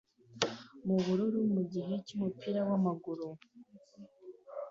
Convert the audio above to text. mubururu mugihe cyumupira wamaguru